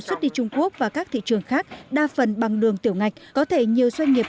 xuất đi trung quốc và các thị trường khác đa phần bằng đường tiểu ngạch có thể nhiều doanh nghiệp